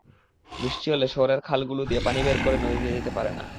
বৃষ্টি হলে শহরের খালগুলো দিয়ে পানি বের হয়ে নদীতে যেতে পারে না।